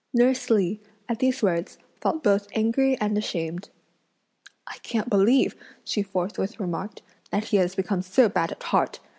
Nurse Li, at these words, felt both angry and ashamed. "I can't believe," she forthwith remarked, "that he has become so bad at heart!